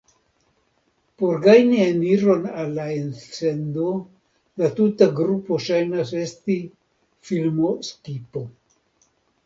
Por gajni eniron al la elsendo, la tuta grupo ŝajnas esti filmo-skipo.